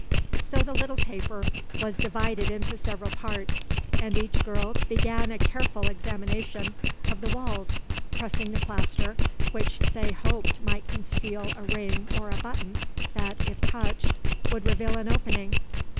So the little taper was divided into several parts and each girl began a careful examination of the walls, pressing the plaster, which they hoped might conceal a ring or a button that, if touched, would reveal an opening.